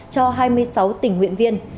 cho hai mươi sáu tỉnh nguyện viên